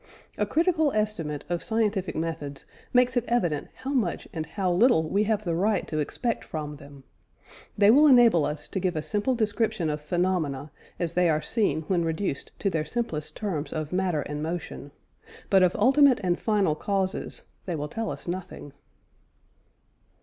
A critical estimate of scientific methods makes it evident how much and how little we have the right to expect from them. They will enable us to give a simple description of phenomena as they are seen when reduced to their simplest terms of matter and motion; but of ultimate and final causes they will tell us nothing.